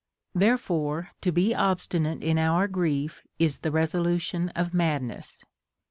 Therefore to be obstinate in our grief is tlie resolution of madness.